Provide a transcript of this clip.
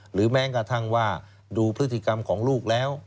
แม้กระทั่งว่าดูพฤติกรรมของลูกแล้ว